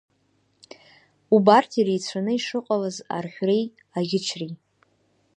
Убарҭ иреицәаны ишыҟалаз арҳәреи аӷьычреи.